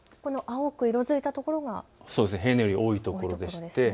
青く色づいた所が平年より多いところです。